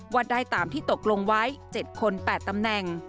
ได้ตามที่ตกลงไว้๗คน๘ตำแหน่ง